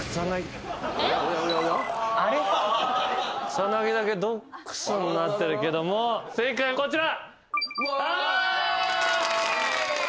草薙だけ「ｄｏｘ」になってるけど正解こちら。